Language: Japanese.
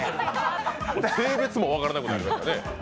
性別も分からなくなりましたね。